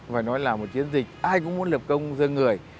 phải nói là một chiến dịch ai cũng muốn lập công dân người